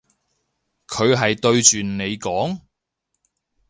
佢係對住你講？